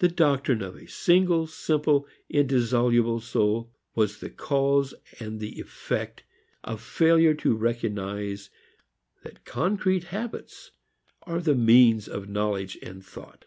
The doctrine of a single, simple and indissoluble soul was the cause and the effect of failure to recognize that concrete habits are the means of knowledge and thought.